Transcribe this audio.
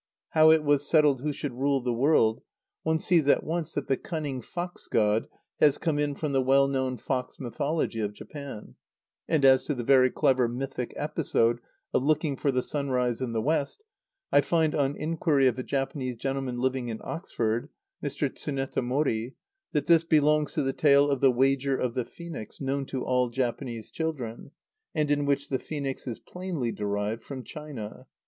How it was settled who should rule the World, one sees at once that the cunning Fox god has come in from the well known fox mythology of Japan; and as to the very clever mythic episode of looking for the sunrise in the west, I find, on inquiry of a Japanese gentleman living in Oxford, Mr. Tsneta Mori, that this belongs to the tale of the Wager of the Phœnix, known to all Japanese children, and in which the Phœnix is plainly derived from China.